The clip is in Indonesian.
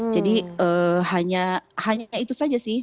jadi hanya itu saja sih